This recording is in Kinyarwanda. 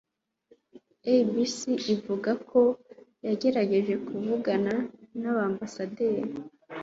ABC ivuga ko yagerageje kuvugana n'Ambasaderi